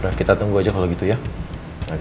nah kita tunggu aja kalau gitu ya